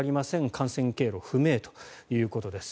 感染経路不明ということです。